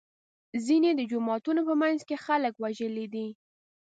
ځینې د جوماتونو په منځ کې خلک وژلي دي.